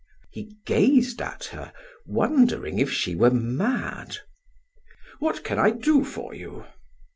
He gazed at her, wondering if she were mad. "What can I do for you?"